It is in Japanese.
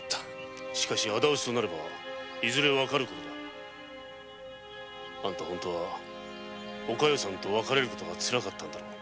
しかしあだ討ちとなればいずれ分かる事だあんたは本当はお加代さんと別れるのがつらかったのだろう。